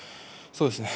そうですね。